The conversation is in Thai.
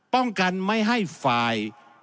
ป้องกันไม่ให้ฝ่าย